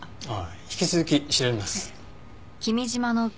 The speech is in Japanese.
引き続き調べます。